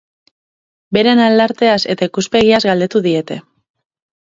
Beren aldarteaz eta ikuspegiaz galdetuko diete.